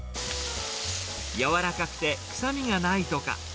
柔らかくて臭みがないとか。